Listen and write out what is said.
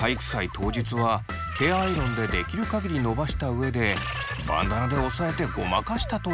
当日はヘアアイロンでできる限り伸ばした上でバンダナで押さえてごまかしたといいます。